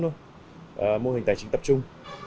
mô hình tài chính tập trung